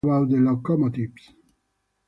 Little is known about the locomotives.